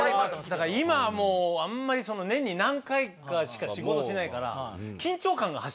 今はもうあんまり年に何回かしか仕事しないから。